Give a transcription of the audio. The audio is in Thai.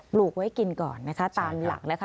ปลูกไว้กินก่อนนะคะตามหลักนะคะ